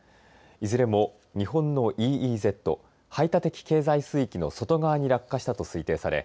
いずれも日本のＥＥＺ排他的経済水域の外側に落下したと推定され